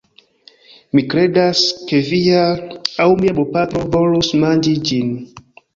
Mi kredas, ke via... aŭ mia bopatro volus manĝi ĝin.